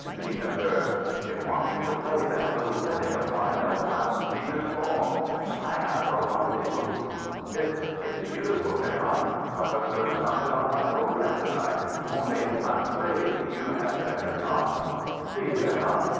To Gina Berg: "They want me to play that little setting of mine of Allan Seeger's poem, 'I have a rendezvous.'" "It it's beautiful, Leon! I was to have sung it on my program to night only, I'm afraid you had better not " "Please, Leon!